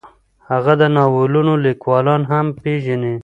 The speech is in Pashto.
هغه د ناولونو لیکوالان هم پېژني.